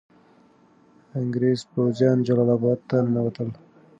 انګریز پوځیان جلال اباد ته ننوتل.